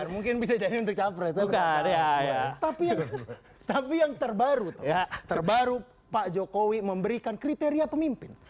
mungkin bisa jadi untuk capres tapi yang terbaru terbaru pak jokowi memberikan kriteria pemimpin